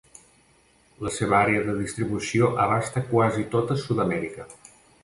La seva àrea de distribució abasta quasi tota Sud-amèrica.